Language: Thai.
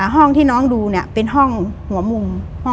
ห้องที่น้องดูเป็นห้องหัวมุม